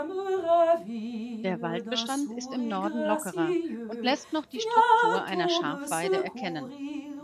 Der Waldbestand ist im Norden lockerer und lässt noch die Struktur einer Schafweide erkennen.